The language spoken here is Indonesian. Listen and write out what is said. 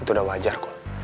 itu udah wajar kum